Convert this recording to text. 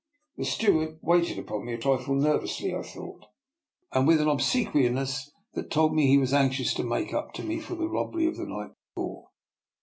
The steward waited upon me, a trifle nervously I thought, and with an obsequious ness that told me he was anxious to make up to me for the robbery of the night before.